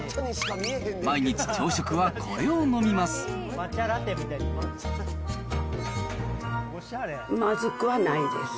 毎日朝食はこれを飲みます。